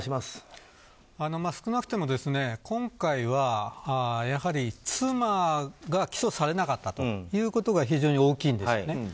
少なくとも今回は、やはり妻が起訴されなかったということが非常に大きいんですよね。